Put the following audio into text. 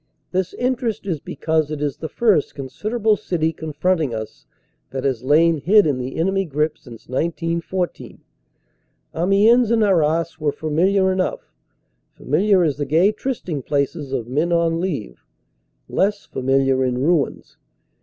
This interest is because it is the first considerable city confront ing us that has lain hid in the enemy grip since 1914. Amiens and Arras were familiar enough; familiar as the gay trysting places of men on leave; less familiar in ruins.